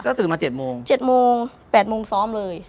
ตื่นมา๗โมง๗โมง๘โมงซ้อมเลย